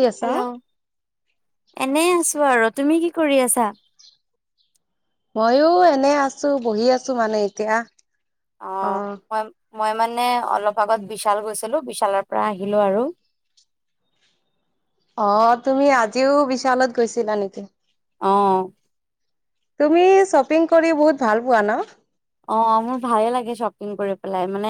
কি আছা? হেল্ল', এনে আছো। আছোঁ আৰু তুমি কি কৰি আছা? ময়ো এনে আছোঁ, বহি আছোঁ মানে এতিয়া। অ', [unintelligible] মই মানে অলপ আগত বিশাল গৈছিলো বিশালৰ পৰা আহিলো আৰু। অ তুমি আজিও বিশালত গৈছিলা নেকি? আহ। তুমি শ্বপিং কৰি বহুত ভাল পোৱা ন? অ', মোৰ ভালে লাগে শ্বপিং কৰি পেলাই মানে,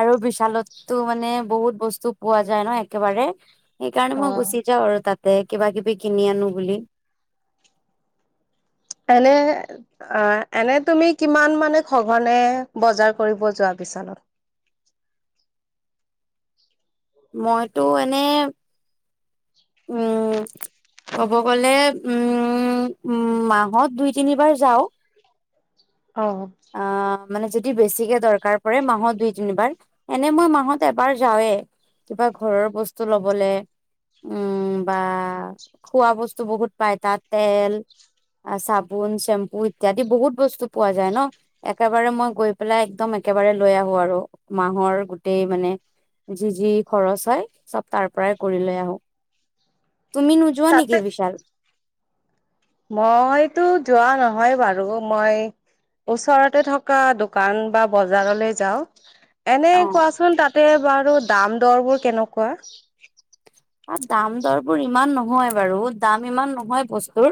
আৰু বিশালততো মানে বহুত বস্তু পোৱা যায় ন একেবাৰে। সেইকাৰণে মই অ', গুছি‌ যাঁও‌ আৰু তাত। তে কিবা কিবি কিনি আনো বুলি এনে, এনে তুমি কিমান মানে সঘনে বজাৰ কৰিব যোৱা বিশালত? মইতো এনে উম কব গলে উম উ মাহত দুই তিনিবাৰ যাওঁ। অ' আহ মানে যদি বেছিকে দৰকাৰ পৰে মাহত দুই তিনিবাৰ। এনে ম‌ই মাহত এবাৰ যাওঁৱে। কিবা ঘৰৰ বস্তু লবলে, উম, বা খোৱা বস্তু বহুত পায় তাত‌‌ তেল, চাবোন, ছেম্পো ইত্যাদি বহুত বস্তু পোৱা যায় ন? একেবাৰে মই গৈ পেলাই একদম একেবাৰে লৈ আহোঁ আৰু মাহৰ গোটেই মানে যি যি খৰচ হয়, চব তাৰ পৰাই কৰি লৈ আহোঁ। তুমি নোযোৱা তাতে নেকি বিশাল? মইতো যোৱা নহয় বাৰু মই ওচৰতে থকা দোকান বা বজাৰলৈ যাওঁ। এনে অ কোৱাচোন তাতে? বাৰু দাম দৰ বোৰ কেনেকুৱা? দাম দৰবোৰ ইমান নহয় বাৰু, দাম ইমান নহয় বস্তুৰ।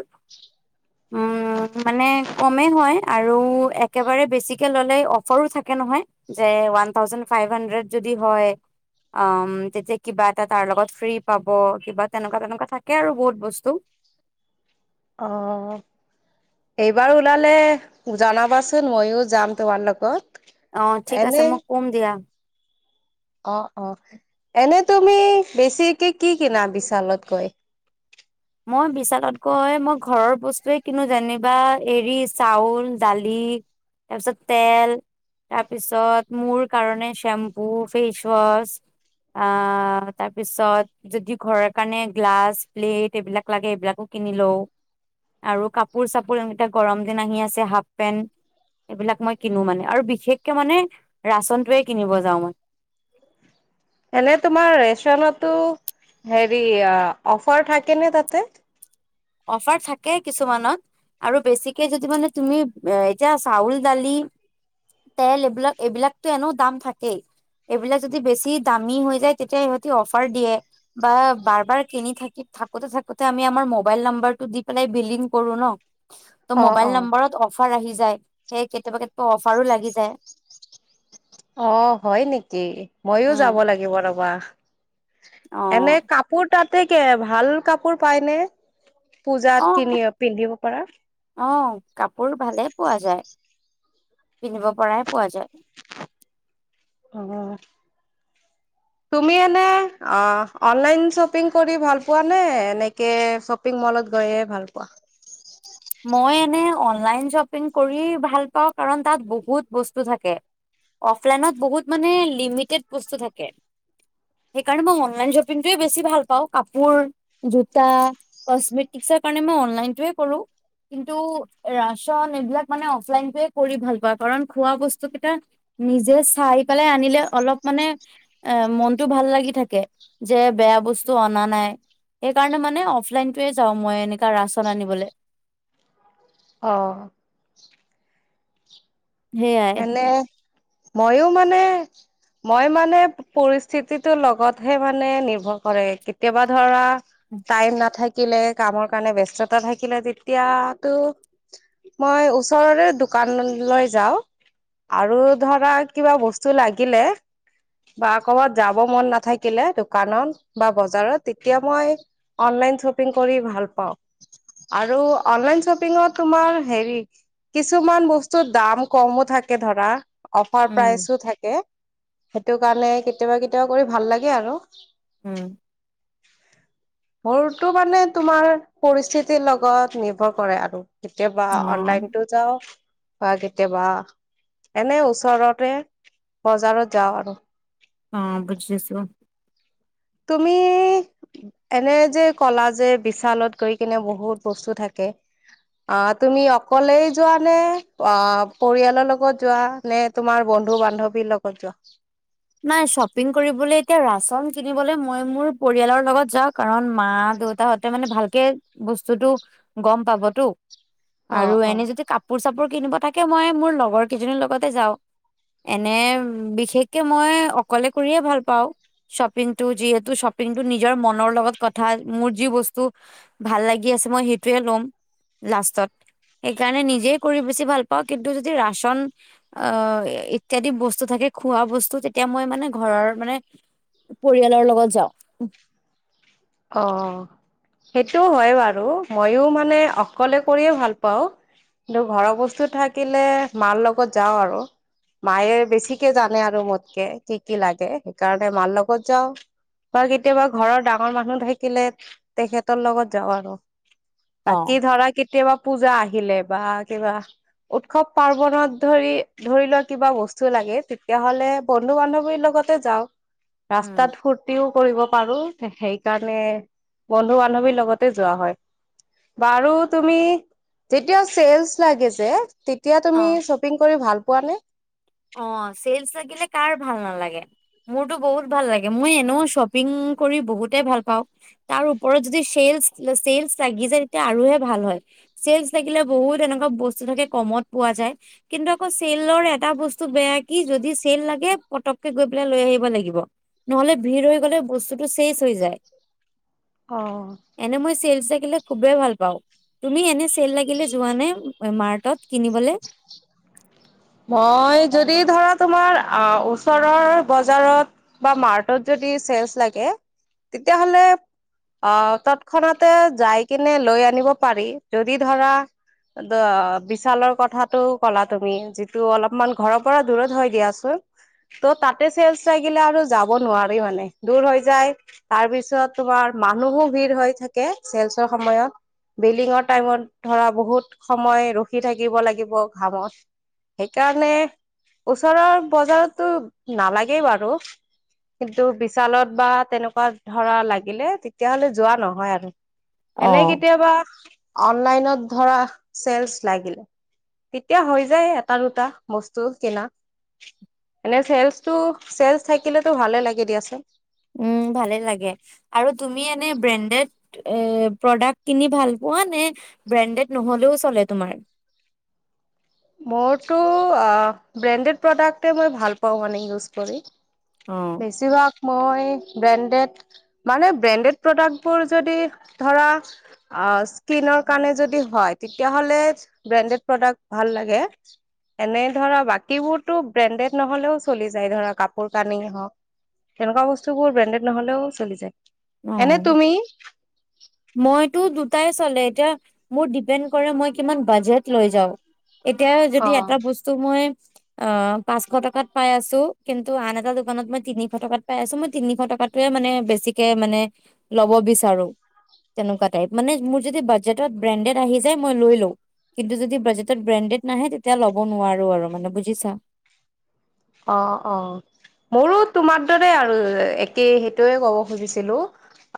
উম, মানে কমেই হয় আৰু একেবাৰে বেছিকে ললে অফাৰো থাকে নহয়। যে ওৱান থাউজেন ফাইভ হাড্ৰেড যদি হয়। তেতিয়া কিবা এটা তাৰ লগত ফ্ৰী।। পাব কিবা তেনেকুৱা তেনেকুৱা থাকে আৰু বহুত বস্তু।। অ', এইবাৰ ওলালে জনাবাচোন ময়ো যাম তোমাৰ লগত। অ ঠিক আছে এনে মই কম দিয়া। অ, অ। এনে তুমি বেছিকে কি কিনা বিশালত গৈ? মই বিশালতগৈ মই ঘৰৰ বস্তুৱে কিনো যেনিবা, এৰি চাউল, দালি, তাৰপিছত তেল, তাৰপিছত মোৰ কাৰণে শ্বেম্পু, ফেচৱাছ, আ তাৰপিছত যদি ঘৰৰ কাৰণে গ্লাছ, প্লেট এইবিলাক লাগে এইবিলাক ও কিনি লওঁ আৰু কাপোৰ চাপোৰ এনে গৰম দিন আহি আছে হাফ পেন্ট এইবিলাক মই কিনো মানে আৰু বিশেষকে মানে ৰাচনটোৱে কিনিব যাওঁ মই। এনে তোমাৰ ৰেচনতো হেৰি অফাৰ থাকেনে তাতে? অফাৰ থাকে কিছুমানত আৰু বেছিকে যদি মানে তুমি এতিয়া চাউল, দালি, তেল এইবিলাক এইবিলাকতো এনেও দাম থাকেই। এইবিলাক যদি বেছি দামী হৈ যায় তেতিয়া সহঁতি অফাৰ দিয়ে বা বাৰ বাৰ কিনি থাকি থাকোতে থাকোতে আমি আমাৰ। মোবাইল নম্বৰটো দি পেলাই বিলিং কৰো ন। ত' অ', মোবাইল অ', নম্বৰত অফাৰ আহিয যায় হেই কেতিয়াবা কেতিয়াবা অফাৰো লাগি যায়। অ' হয় নেকি? ময়ো উম যাব লাগিব ৰবা। অ এনে কাপোৰ তাত? [unintelligible] ভাল কাপোৰ পাইনে? আহ আহ কাপোৰ ভালেই পোৱা যায়। পিন্ধিব পৰাই পোৱা যায়। অহ তুমি এনে অ অনলাইন শ্বপিং কৰি ভাল পোৱা নে এনেকে শ্বপিং মলত গৈহে ভাল পোৱা? মই অনলাইন শ্বপিং কৰি ভাল পাওঁ কাৰণ তাত বহুত বস্তু থাকে। অফলাইনত বহুত মানে লিমিটেড বস্তু থাকে। সেইকাৰণে মই অনলাইন শ্বপিং টো এ বেছি ভাল পাওঁ কাপোৰ, জোটা, কচমেটিকচৰ কাৰণে মই অনলাইন টো এ কৰো। কিন্তু ৰাচন এই বিলাক মানে অফলাইন টোৱে কৰি ভাল পাওঁ কাৰণ খোৱা বস্তু কেইটা নিজে চাই পেলায় আনিলে অলপ মানে মনটো ভাল লাগি থাকে যে বেয়া বস্তু অনা নাই সেই কাৰণে মানে অফলাইন টোৱে যাওঁ মই এনেকা ৰাচন আনিবলৈ। অ। সেইয়াই এনে। মইয়ো মানে মই মানে পৰিস্থিতিটোৰ লগতহে মানে নিৰ্ভৰ কৰে। কেতিয়াবা ধৰা টাইম নাথাকিলে কামৰ কাৰণে ব্যস্ততা থাকিলে তেতিয়াতো মই ওচৰৰে দোকানলৈ যাওঁ। আৰু ধৰা কিবা বস্তু লাগিলে বা ক'বাত যাব মন নাথাকিলে দোকানত বা বজাৰত তেতিয়া মই অনলাইন শ্বপিং কৰি ভাল পাওঁ আৰু অনলাইন শ্বপিঙত তোমাৰ হেৰি কিছুমান বস্তুৰ দাম। ক'মো থাকে ধৰা। অফাৰ উম প্ৰাইচো থাকে। সেইটো কাৰণে কেতিয়াবা কেতিয়াবা কৰি ভাল লাগে আৰু।। উম। মোৰটো মানে তোমাৰ পৰিস্থিতিৰ লগত নিৰ্ভৰ কৰে আৰু। কেতিয়াবা অ অনলাইন টো যাও হয়গে। কেতিয়াবা এনে ওচৰতে বজাৰত যাওঁ আৰু। অ', বুজিছোঁ। তুমি এনে যে কলা যে বিশালত গৈ কিনে বহুত বস্তু থাকে, আহ তুমি অকলেই যোৱা নে, আহ পৰিয়ালৰ লগত যোৱা নে, তোমাৰ বন্ধু-বান্ধৱীৰ লগত যোৱা? নাই শ্বপিং কৰিবলৈ এতিয়া ৰাচন কিনিবলৈ মই মোৰ পৰিয়ালৰ লগত যাওঁ কাৰণ মা দেউতাহতে মানে ভালকে বস্তুটো গম পাবতো। আৰু অ', অ', এনে যদি কাপোৰ চাপোৰ কিনিব থাকে মই মোৰ লগৰ কেইজনীৰ লগতে যাও এনে বিশেষ [unintelligible] তিয়া মই অকলে কৰিয়ে ভাল পাওঁ শ্বপিংটো, যিহেতু শ্বপিংটো নিজৰ মনৰ লগত কথা, মোৰ যি বস্তু ভাল লাগি আছে মই সেইটোয়ে ল'ম লাষ্টত, সেইকাৰণে নিজে কৰি বেছি ভাল পাওঁ, কিন্তু যদি ৰাচন আহ ইত্যাদি বস্তু থাকে খোৱা বস্ত তেতিয়া মই মানে ঘৰৰ মানে পৰিয়ালৰ লগত যাও অ সেইটো হয় বাৰু মইো মানে অকলে কৰিয়ে ভাল পাওঁ কিন্তু ঘৰৰ বস্তু থাকিলে মাৰ লগত যাওঁ আৰু মায়ে বেছিকে জানে আৰু মোতকে কি কি লাগে সেইকাৰণে মাৰ লগত যাওঁ বা কেতিয়াবা ঘৰৰ ডাঙৰ ডাঙৰ মানুহ থাকিলে তেখেতৰ লগত যাওঁ আৰু অ'। বাকি ধৰা কেতিয়াবা পূজা আহিলে বা কিবা উৎসৱ পাৰ্বনত ধৰি ধৰি লোৱা কিবা বস্তু লাগে তেতিয়াহলে বন্ধু বান্ধৱীৰ লগতে যাও উম, ৰাস্তাত ফূৰ্তিও কৰিব পাৰোঁ। সে সেই কাৰণে বন্ধু-বান্ধৱীৰ লগতে যোৱা হয়, বাৰু তুমি যেতিয়াও চেলচ লাগে যে তেত তেতিয়া তুমি অ', শ্বপিং কৰি ভাল পোৱা নে? অ', চেলচ লাগিলে কাৰ ভাল নালাগে, মোৰতো বহুত ভাল লাগে, মই এনেও শ্বপিং কৰি বহুতে ভাল পাওঁ, তাৰ ওপৰত যদি চেলচ-ছেলচ লাগি যায় তেতিয়া আৰুহে ভাল হয়, চেলচ লাগিলে বহুত এনেকুৱা বস্তু থাকে কমত পোৱা যায় কিন্তু আকৌ চেলৰ এটা বস্ত বেয়া কি যদি চেল লাগে পটককে গৈ পেলাই লৈ আহিব লাগিব! নহলে ভিৰ হৈ গলে বস্তুটো শেষ হৈ যায়। অ'। চে লাগিলে খুবেই ভাল পাওঁ, তুমি এনে চেল লাগিলে যোৱ নে মাৰ্টত? কিনিবলৈ মই যদি ধৰা তোমাৰ ওচৰৰ বজাৰত বা মাৰ্টত যদি ছেলচ লাগে তেতিয়াাহলে আহ তৎক্ষণতে যাই কিনে লৈ আনিব পাৰি যদি ধৰা বিশালৰ কথাটো ক'লা তুমি যি ত অলপমান ঘৰৰ পৰা দূৰত হৈ দিয়াচোন ত' তাতে ছেলচ থাগিলে আৰু যাব নোৱাৰি মানে দূৰ হৈ যায় তাৰপিছত তোমাৰ মানুহো ভিৰ হৈ থাকে ছেলচৰ সময়ত বিল্ডিঙৰ টাইমত ধৰা বহুত সময় ৰখি থাকিব লাগিব ঘামত সেইকাৰণে ওচৰৰ বজাৰতো নালাগেই বাৰু, কিন্তু বিশালত বা তেনেকুৱা ধৰা লাগিলে তেতিয়াহ'লে যোৱা নহয় আৰু। এনেই অ', কেতিয়াবা অ'। অনলাইনত ধৰা, ছেলচ লাগিলে, তেতিয়া হৈ যায় এট দুটা দুটা বস্তু কিনা, এনে ছেলচটোজ ছেলচ থাকিলেতটো ভালে লাগি দিয়াচোন। উ ভালে লাগে আৰু তুমি এনে ব্ৰেণ্ডেড প্ৰডাক্ট কিনি ভাল পোৱা নে ব্ৰেণ্ডেড নহলেও চলে তোমাৰ মোৰতো ব্ৰেণ্ডেড প্ৰডাক্টে মই ভাল পাওঁ মানে ইউজ কৰি অ', বেছিভাগ মই ব্ৰেণ্ডেড মানে ব্ৰেণ্ডেড প্ৰডাক্টবোৰ যদি ধৰা স্কিনৰ কাৰণে যদি হয় তেতিয়াহলে ব্ৰেণ্ডেড প্ৰডাক্ট ভাল লাগে, এনেই ধৰা বাকীবোৰতো ব্ৰেণ্ডেড নহ'লেও চলি যায়, ধৰা কাপোৰ-কানি হওঁক, তেনেকুৱা বস্তুবোৰ ব্ৰেণ্ডেড নহ'লেও চলি যায়। অ, এনে তুমি মইতো দুটাই চলে এতিয়া মোৰ ডিপেণ্ড কৰে মই কিমান বাজেট লৈ যাও। এতিয়া অ যদি অ এটা বস্তু মই অ পাঁচশ টকাত পাই আছো কিন্তু আন এটা দোকানত মই তিনিশ টকাত পাই আছো মই তিনিশ টকাতোৱে মানে বেছিকে মানে লব বিচাৰো তেনেকুৱা টাইপ মানে মোৰ যদি বাজেটত ব্ৰেণ্ডেড আহি যায় মই লৈ লৈ কিন্তু যদি বাজেটত ব্ৰেণ্ডেড নাহে লৱ নোৱাৰো আৰু অ' অ' মোৰো তোমাৰ দৰে আৰু একেই সেইটোৱে ক'ব খুজিছিলো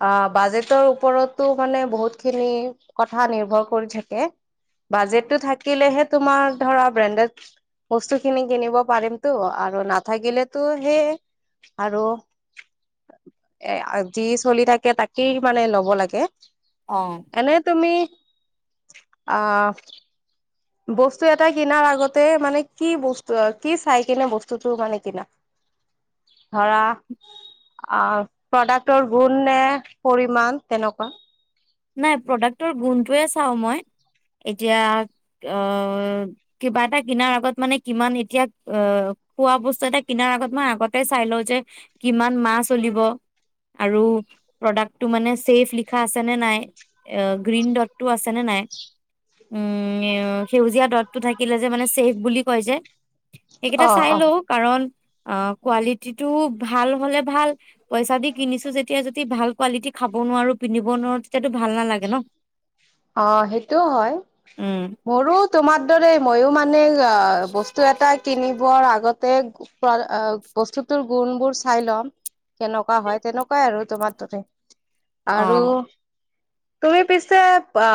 অ' বাজেটৰ ওপৰতো মানে বহুতখিনি কথা নিৰ্ভৰ কৰি থাকে বাজেটো থাকিলেহে তোমাৰ ধৰা ব্ৰেণ্ডেড বস্তুখিনি কিনিব পাৰিম। তটো আৰু নাথাকিলেতো সেইয় আৰু এ যি চলি থাকে তাকেই মানে লব লাগে অ'। এনে তুমি আহ বস্তু এটা কিনাৰ আগতে মানে কি বস্তু কি চাই কিনে বস্তুটো মানে কিনা, ধৰা, প্ৰডাক্টৰ গুণ নে পৰিমান তেনেকুৱা? নাই প্ৰডাক্টৰ গুণটোৱে চাও মই এতিয়া কিবা এটা কিনাৰ আগত মানে কিমান এতিয়া খোৱা বস্তু এটা কিনাৰ আগত মই আগতে চাই লওঁ যে কিমান মাহ চলিব আৰু প্ৰডাক্টটো মানে চেফ লিখা আছে নে নাই এ গ্ৰীণ দটটো আছে নে নাই? উম, সেউজীয়া ডটটো থাকিলে যে মানে চেফ বুলি কয় যে। অ সেইকেইটা চাই অ লও কাৰণ অ' কোৱালিটিটো ভাল হলে ভাল। পইচা দি কিনিছো যেতিয়া যদি ভাল কোৱালিটি খাব নোৱাৰো পিন্ধিব নোৱাৰো তেতিয়াটো ভাল নালাগে ন। অ সেইটোও হয় উম মোৰো তোমাৰ দৰে মইও মানে অ' বস্তু এটা কিনি বৰ আগতে আ বস্তুতৰ গুণ বোৰ চাই ল'ম কেনেকুৱা হয় তেনেকুৱাই আৰু তোমাৰ দৰে আৰু অ' তুমি পিছে অ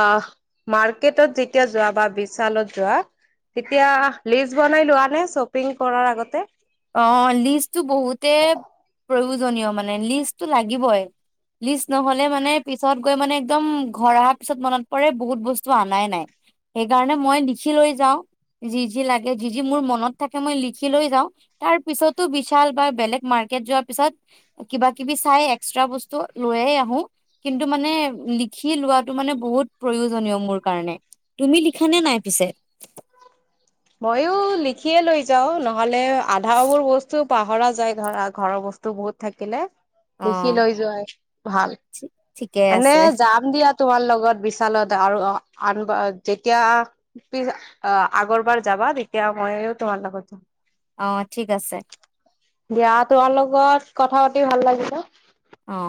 মাৰ্কেটত যেতিয়া যোৱা বা বিশালত যোৱা তেতিয়া লিষ্ট বনাই লোৱা নাই শ্বপিং কৰাৰ আগতে অ' লিষ্টটো বহুতে প্ৰয়োজন প্ৰয়োজনীয় মানে লিষ্টটো লাগিবই লিষ্ট নহলে মানে পিছত গৈ মানে একদম ঘৰ অহাৰ পিছত মনত পৰে বহুত বস্তু অনাই নাই সেইকাৰণে মই লিখি লৈ যাও যি যি লাগে যি যি মোৰ মনত থাকে মই লিখি লৈ যাও। তাৰ পিছতো বিশাল বা বেলেগ মাৰ্কেট যোৱা পিছত কিবা কিবি চাই এক্সট্ৰা বস্তু লৈয়ে আহু কিন্তু মানে লিখি লোৱাটো মানে বহুত প্ৰয়োজনীয় মোৰ কাৰণে তুমি লিখা নে নাই পিছে মইয়ো লিখিয়ে লৈ যাও নহ'লে আধাবোৰ বস্তু পাহৰা যায় ঘৰা ঘৰৰ বস্তু বহুত থাকিলে লিখি অ', লৈ যোৱাই ভাল ঠিকে এনে আছে যাম দিয়া তোমাৰ লগত বিশালত আৰু অ' আন যেতিয়া পিছ আগৰবাৰ যাবা তেতিয়া মইো তোমাৰ লগত যাম অ ঠিক আছে দিয়া তোমাৰ লগত কথা পাতি ভাল লাগিছে অ